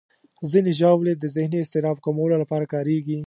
ځینې ژاولې د ذهني اضطراب کمولو لپاره کارېږي.